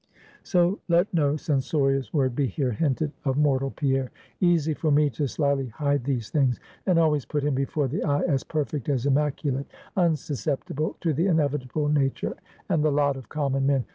So let no censorious word be here hinted of mortal Pierre. Easy for me to slyly hide these things, and always put him before the eye as perfect as immaculate; unsusceptible to the inevitable nature and the lot of common men.